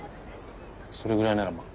それぐらいならまあ